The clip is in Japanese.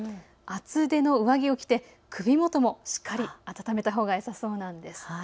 厚手の上着を着て首元もしっかり温めたほうがよさそうです。